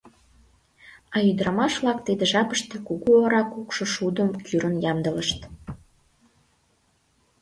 А ӱдырамаш-влак тиде жапыште кугу ора кукшо шудым кӱрын ямдылышт.